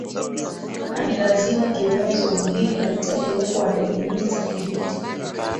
na ni lazima tuelewe zoezi hili linahitaji uwepo wa ndege nyingi za kivita